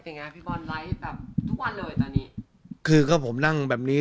ใช่ไงพี่บอลลาย์ทแบบทุกวันเลยตอนนี้คือก็ผมนั่งแบบนี้